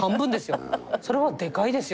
それはでかいですよね。